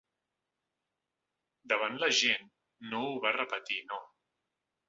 Davant la gent no ho va repetir, no.